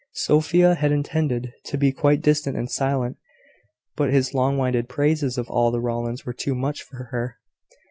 Sophia had intended to be quite distant and silent, but his long winded praises of all the Rowlands were too much for her.